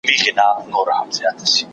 پاني پت د هند په شمالي برخه کې موقعیت لري.